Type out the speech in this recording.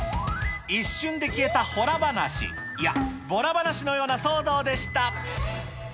一瞬で消えたホラ話、いや、ボラ話のような騒動でした。